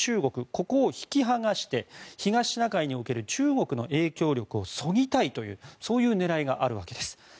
ここを引き剥がして東シナ海における中国の影響力をそぎたいというそういう狙いがあるわけです。